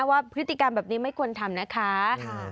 ว่าพฤติกรรมแบบนี้ไม่ควรทำนะคะ